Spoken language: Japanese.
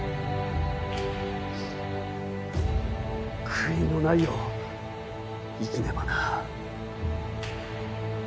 悔いのないよう生きねばな。